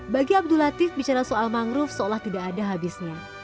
bagi abdul latif bicara soal mangrove seolah tidak ada habisnya